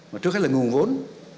mà trước hết là nguồn vốn